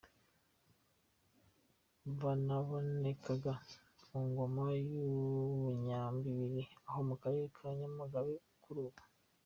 Banabonekaga mu Ngoma y’u Bunyambilili ho mu Karere ka Nyamagabe kuri ubu.